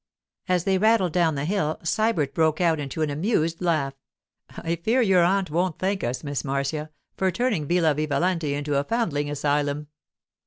As they rattled down the hill Sybert broke out into an amused laugh. 'I fear your aunt won't thank us, Miss Marcia, for turning Villa Vivalanti into a foundling asylum.